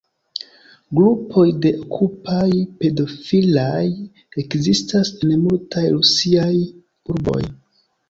Grupoj de "Okupaj-pedofilaj" ekzistas en multaj rusiaj urboj.